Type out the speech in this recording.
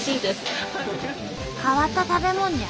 変わった食べ物じゃ。